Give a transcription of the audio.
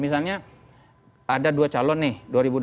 misalnya ada dua calon nih dua ribu dua puluh